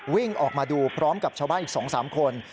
วิ่งออกมาดูพร้อมกับชาวบ้านอีก๒๓คน